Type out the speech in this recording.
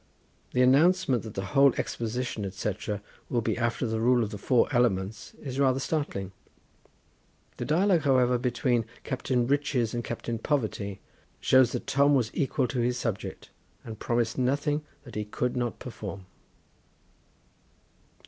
The announcement that the whole exposition, etc., will be after the rule of the four elements, is rather startling; the dialogue, however, between Captain Riches and Captain Poverty shows that Tom was equal to his subject, and promised nothing that he could not perform.